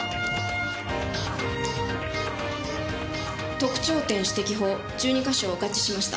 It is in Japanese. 特徴点指摘法１２か所合致しました。